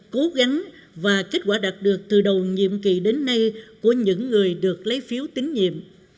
cố gắng và kết quả đạt được từ đầu nhiệm kỳ đến nay của những người được lấy phiếu tín nhiệm